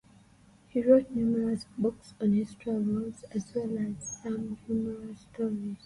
He wrote numerous books on his travels, as well as some humorous stories.